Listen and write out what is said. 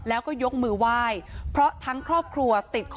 แล้วก็ยกมือไหว